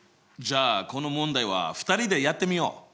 じゃあこの問題は２人でやってみよう。